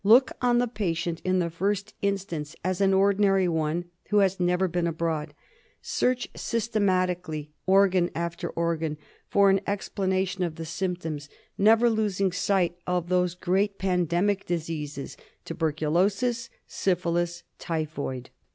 Look on the patient in the first instance as an ordinary one who has never been abroad. Search systematically 152 DIAGNOSIS OF TROPICAL FEVERS. organ after organ for an explanation of the symptoms, never losing sight of those great pandemic diseases, tuberculosis, syphilis, typhoid.